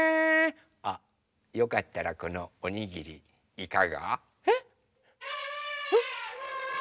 あよかったらこのおにぎりいかが？えっ⁉ん？